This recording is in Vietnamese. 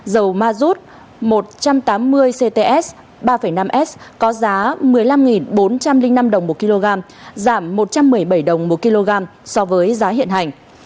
dầu mazut một trăm tám mươi cts ba năm s có giá một mươi năm bốn trăm linh năm đồng một kg giảm một trăm một mươi bảy đồng một kg so với giá hiện hành